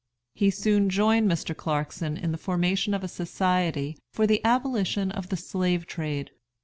He soon joined Mr. Clarkson in the formation of a Society for the Abolition of the Slave trade.